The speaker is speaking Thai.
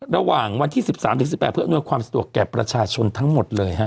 ระหว่างวันที่๑๓๑๘เพื่ออำนวยความสะดวกแก่ประชาชนทั้งหมดเลยฮะ